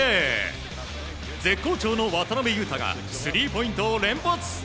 絶好調の渡邊雄太がスリーポイントを連発。